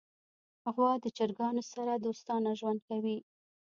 غوا د چرګانو سره دوستانه ژوند کوي.